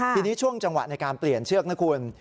ทีนี้ช่วงจังหวะในการเปลี่ยนเชือกนะคุณ